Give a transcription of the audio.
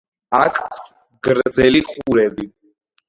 აქვს გრძელი ყურები.